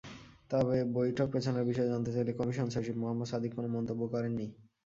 তবে বৈঠক পেছানোর বিষয়ে জানতে চাইলে কমিশন সচিব মোহাম্মদ সাদিক কোনো মন্তব্য করেননি।